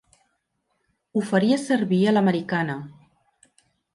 Ho faries servir a l'americana.